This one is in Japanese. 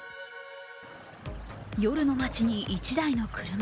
夜の街に１台の車。